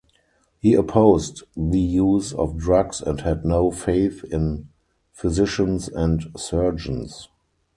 He opposed the use of drugs and had no faith in physicians and surgeons.